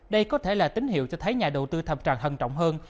đây có thể là tín hiệu cho thấy nhà đầu tư thập trạng hận trọng hơn